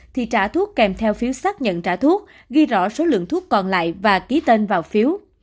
thì trả thuốc kèm theo phiếu xác nhận trả thuốc ghi rõ số lượng thuốc còn lại và ký tên vào phiếu